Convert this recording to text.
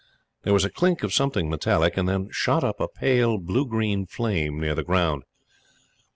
There was a clink of something metallic, and then shot up a pale blue green flame near the ground.